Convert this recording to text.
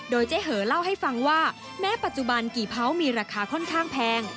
โดยเจ๊เหอเล่าให้ฟังว่าแม้ปัจจุบันกี่เผามีราคาค่อนข้างแพง